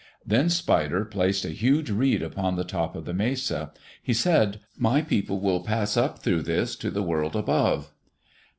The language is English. Then Spider placed a huge reed upon the top of the mesa. He said, "My people will pass up through this to the world above."